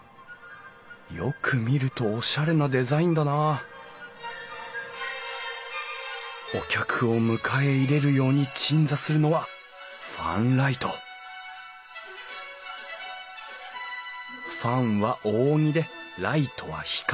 よく見るとおしゃれなデザインだなお客を迎え入れるように鎮座するのはファンライトファンは扇でライトは光。